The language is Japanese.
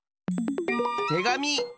てがみ！